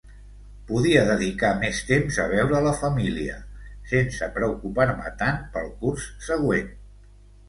Podia dedicar més temps a veure la família, sense preocupar-me tant pel curs següent.